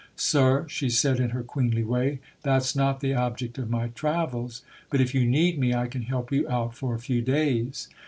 "Sir", she said in her queenly way, "that's not the object of my travels, but if you need me I can help you out for a few days".